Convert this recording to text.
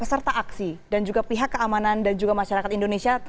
peserta aksi dan juga pihak keamanan dan juga masyarakat indonesia